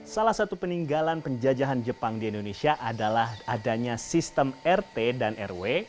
salah satu peninggalan penjajahan jepang di indonesia adalah adanya sistem rt dan rw